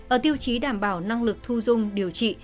ở tiêu chí đảm bảo năng lực thu dung điều trị